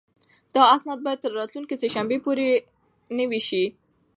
دا اسناد باید تر راتلونکې سه شنبې پورې نوي شي.